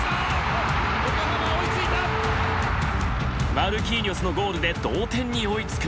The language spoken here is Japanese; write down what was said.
マルキーニョスのゴールで同点に追いつく。